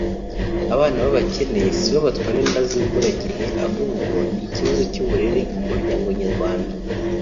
Abana b’abakene si bo batwara inda z’imburagihe ahubwo ni ikibazo cy’uburere mu muryango nyarwanda